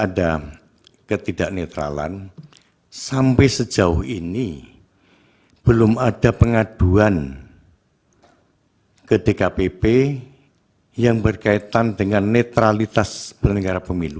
ada ketidak netralan sampai sejauh ini belum ada pengaduan ke dkpp yang berkaitan dengan netralitas penyelenggara pemilu